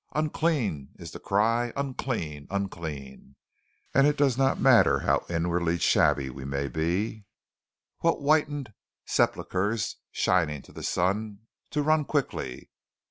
"Unclean!" is the cry. "Unclean! Unclean!" And it does not matter how inwardly shabby we may be, what whited sepulchres shining to the sun, we run quickly.